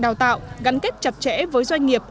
đào tạo gắn kết chập trẻ với doanh nghiệp